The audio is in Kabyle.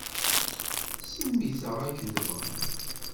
Semmit-aɣ akken tebɣam.